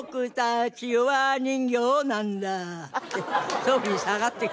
そういうふうに下がっていく。